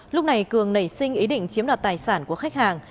lúc này cường nảy sinh ý định chiếm đoạt tài sản của khách hàng